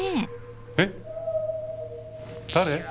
えっ誰？